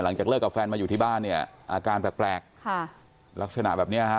หลังจากเลิกกับแฟนมาอยู่ที่บ้านเนี่ยอาการแปลกค่ะลักษณะแบบเนี้ยฮะ